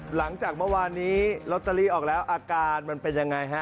หลังจากเมื่อวานนี้ลอตเตอรี่ออกแล้วอาการมันเป็นยังไงฮะ